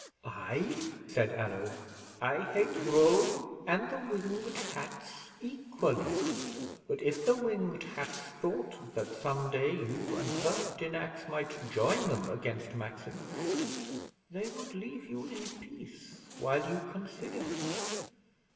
'"I?" said Allo. "I hate Rome and the Winged Hats equally; but if the Winged Hats thought that some day you and Pertinax might join them against Maximus, they would leave you in peace while you considered.